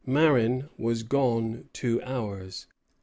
Marin was gone two hours.